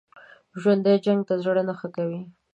ژوندي جنګ ته زړه نه ښه کوي